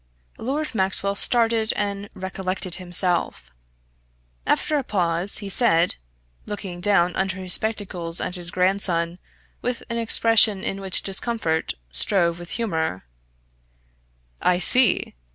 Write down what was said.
Lord Maxwell started and recollected himself. After a pause he said, looking down under his spectacles at his grandson with an expression in which discomfort strove with humour "I see.